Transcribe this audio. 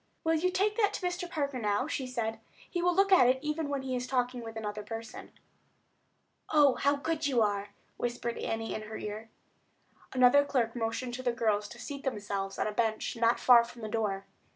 "Will you take that to Mr. Parker now?" she said. "He will look at it even while he is talking with another person." "Oh, how good you are!" whispered Annie in her ear. Another clerk motioned to the girls to seat themselves on a bench not far from the door.